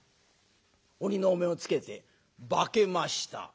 鬼のお面をつけて「化けました」。